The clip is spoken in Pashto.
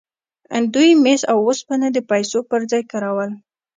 دوی مس او اوسپنه د پیسو پر ځای کارول.